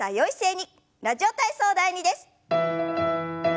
「ラジオ体操第２」です。